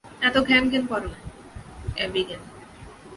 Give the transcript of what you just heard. এত ঘ্যানঘ্যান করো না, অ্যাবিগেল!